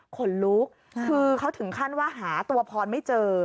ขนลุกคือเขาถึงขั้นว่าหาตัวพรไม่เจอ